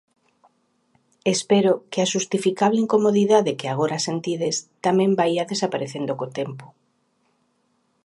Espero que a xustificable incomodidade que agora sentides tamén vaia desaparecendo co tempo.